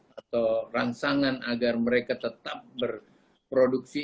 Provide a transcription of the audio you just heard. atau rangsangan agar mereka tetap berproduksi